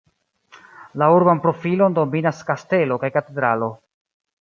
La urban profilon dominas kastelo kaj katedralo.